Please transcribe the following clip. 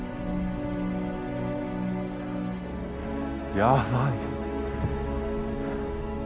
やばい！